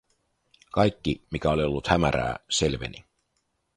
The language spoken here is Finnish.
Kaikki, mikä oli ollut hämärää, selveni.